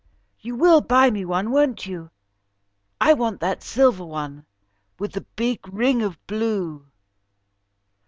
You will buy me one, won't you? I want that silver one, with the big ring of blue."